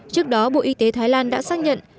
trước đó bộ y tế thái lan đã xác nhận